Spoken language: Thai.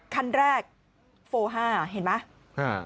คันแรกโฟ๕เห็นไหม